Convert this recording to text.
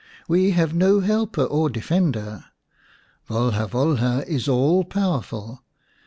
We have no helper or defender. Volha Volha is all powerful.